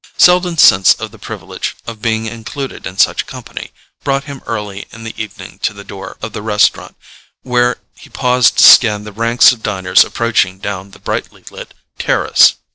Selden's sense of the privilege of being included in such company brought him early in the evening to the door of the restaurant, where he paused to scan the ranks of diners approaching down the brightly lit terrace.